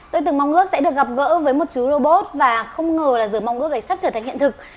tôi từng mong ước sẽ được gặp gỡ với một chú robot và không ngờ là giờ mong ước gạch sắt trở thành hiện thực